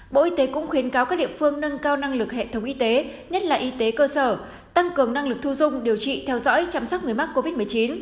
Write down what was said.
bộ y tế cũng khuyến cáo các địa phương nâng cao năng lực hệ thống y tế nhất là y tế cơ sở tăng cường năng lực thu dung điều trị theo dõi chăm sóc người mắc covid một mươi chín